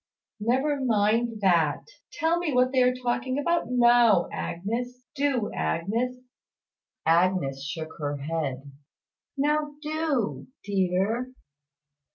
"Never mind that. Tell me what they are talking about now. Do, Agnes." Agnes shook her head. "Now do, dear."